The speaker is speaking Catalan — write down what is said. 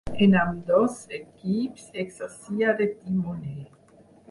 En ambdós equips exercia de timoner.